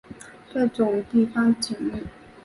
这种地方景物